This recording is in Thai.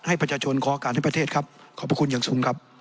ให้ประชาชนขอการให้ประเทศครับขอบพระคุณอย่างสูงครับ